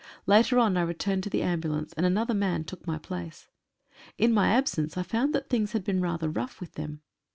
Later on I returned to the ambulance, and another man took my place. In my absence I found that things had been rather rough with them.